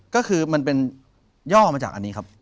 ก็คือมันเป็นย่อมาจากอันนี้ครับ